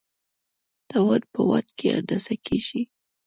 توان په واټ کې اندازه کېږي.